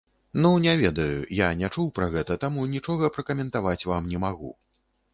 Ну, не ведаю, я не чуў пра гэта, таму нічога пракаментаваць вам не магу.